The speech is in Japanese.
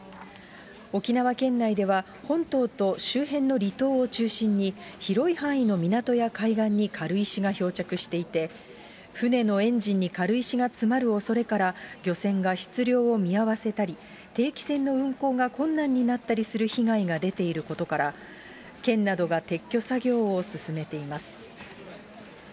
沖縄県内では、本島と周辺の離島を中心に、広い範囲の港や海岸に軽石が漂着していて、船のエンジンに軽石が詰まるおそれから、漁船が出漁を見合わせたり、定期船の運航が困難になったりする被害が出ていることから、県などが撤去作業を進めています。